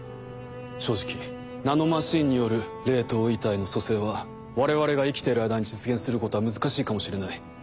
正直ナノマシンによる冷凍遺体の蘇生は我々が生きている間に実現することは難しいかもしれない。